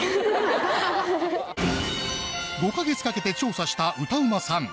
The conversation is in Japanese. ５カ月かけて調査した歌うまさん。